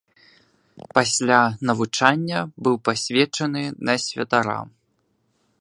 Пасля навучання быў пасвечаны на святара.